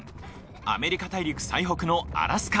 アメリカ大陸最北のアラスカ。